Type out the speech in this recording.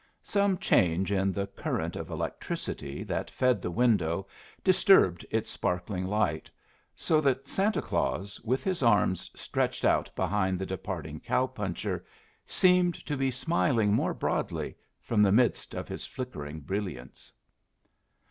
Some change in the current of electricity that fed the window disturbed its sparkling light, so that Santa Claus, with his arms stretched out behind the departing cow puncher seemed to be smiling more broadly from the midst of his flickering brilliance.